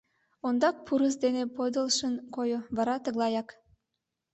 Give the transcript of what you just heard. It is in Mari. Ондак пурыс дене подылшын койо, вара — тыглаяк.